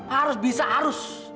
harus bisa harus